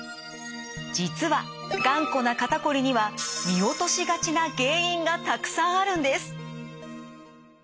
実はがんこな肩こりには見落としがちな原因がたくさんあるんです。